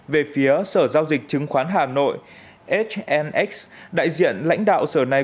về phía sở giao dịch chứng khoán hà nội snx đại diện lãnh đạo sở này